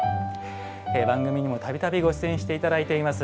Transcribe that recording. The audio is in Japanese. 番組にもたびたびご出演していただいています